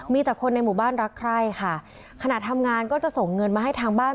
มีแต่คนในหมู่บ้านรักใคร่ค่ะขณะทำงานก็จะส่งเงินมาให้ทางบ้าน